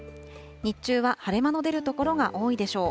日中は晴れ間の出る所が多いでしょう。